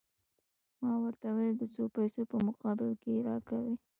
ما ورته وویل: د څو پیسو په مقابل کې يې راکوې؟